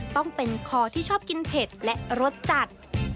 ต้องเป็นคอที่ชอบกินเผ็ดและรสจัด